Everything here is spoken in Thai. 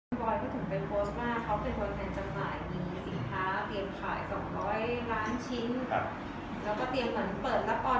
บอยก็ถึงไปโพสต์ว่าเขาเป็นคนในจำหน่ายสินค้าเตรียมขาย๒๐๐ล้านชิ้น